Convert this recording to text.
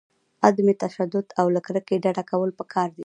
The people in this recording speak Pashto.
عدم تشدد او له کرکې ډډه کول پکار دي.